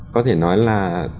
có thể nói là